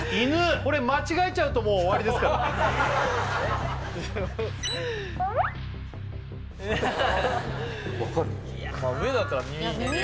これ間違えちゃうともう終わりですから分かる？